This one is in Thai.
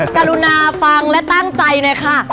กรุณาฟังและตั้งใจหน่อยค่ะ